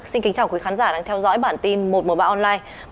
xin kính chào quý khán giả đang theo dõi bản tin một trăm một mươi ba online